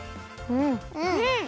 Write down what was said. うん！